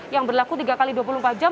yang berlaku tiga x dua puluh empat jam